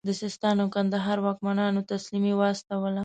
د سیستان او کندهار واکمنانو تسلیمي واستوله.